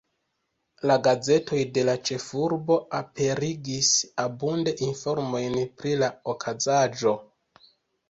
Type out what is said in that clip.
La gazetoj de la ĉefurbo aperigis abunde informojn pri la okazaĵo.